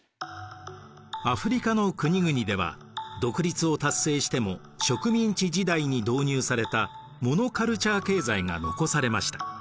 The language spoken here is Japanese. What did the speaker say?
アフリカの国々では独立を達成しても植民地時代に導入されたモノカルチャー経済が残されました。